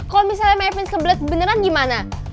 kalo misalnya my prince kebelet beneran gimana